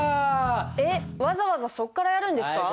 えっわざわざそこからやるんですか？